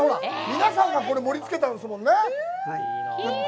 皆さんが盛り付けたんですもんね？